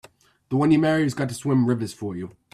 The one you marry has got to swim rivers for you!